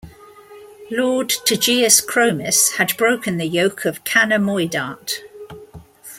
Lord tegeus-Cromis had broken the yoke of Canna Moidart.